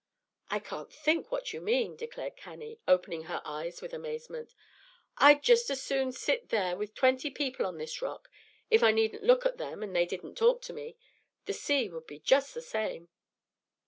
"I can't think what you mean," declared Cannie, opening her eyes with amazement. "I'd just as soon there were twenty people on this rock, if I needn't look at them and they didn't talk to me. The sea would be just the same."